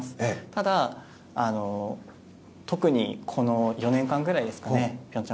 ただ特にこの４年間ぐらいですかね平昌